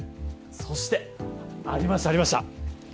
そしてありました、ありました。